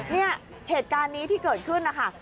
เนี่ยเหตุการณ์นี้ที่เกิดขึ้นนะคะ